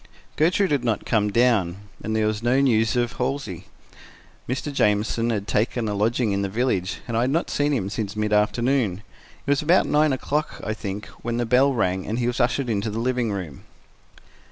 Gertrude had not come down, and there was no news of Halsey. Mr. Jamieson had taken a lodging in the village, and I had not seen him since mid afternoon. It was about nine o'clock, I think, when the bell rang and he was ushered into the living room.